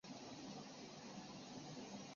司马宗勒兵反抗但被赵胤击杀。